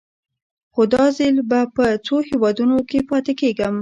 خو دا ځل به په څو هېوادونو کې پاتې کېږم.